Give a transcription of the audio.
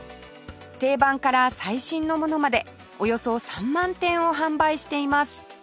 定番から最新のものまでおよそ３万点を販売しています